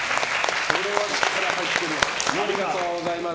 ありがとうございます！